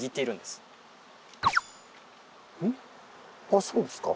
あそうですか。